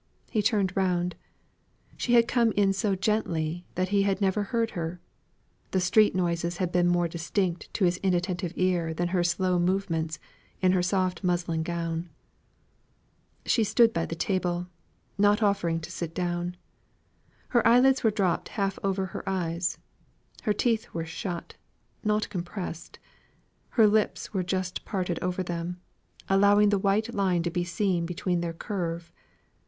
He turned round. She had come in so gently, that he had never heard her; the street noises had been more distinct to his inattentive ear than her slow movements, in her soft muslin gown. She stood by the table, not offering to sit down. Her eyelids were dropped half over her eyes; her teeth were shut, not compressed; her lips were just parted over them, allowing the white line to be seen between their curve.